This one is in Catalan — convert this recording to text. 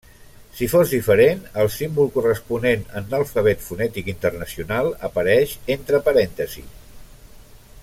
Si fos diferent, el símbol corresponent en l'Alfabet Fonètic Internacional apareix entre parèntesis.